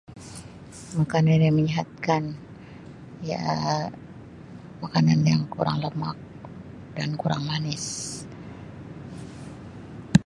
Makanan yang menyihatkan ia makanan yang kurang lemak dan kurang manis.